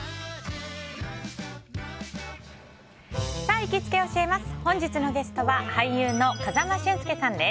行きつけ教えます！